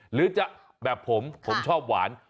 หรือจะแบบผมผมชอบหวาน